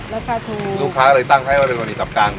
ลูกค้าเลยตั้งให้เป็นวริจับการ